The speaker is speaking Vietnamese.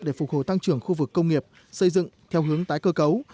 để phục hồi tăng trưởng khu vực công nghiệp xây dựng theo hướng tái cơ cấu